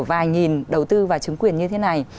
vài nghìn đầu tư vào chứng quyền như thế này